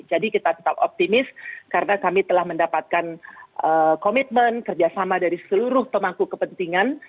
jadi kita tetap optimis karena kami telah mendapatkan komitmen kerjasama dari seluruh pemangku kepentingan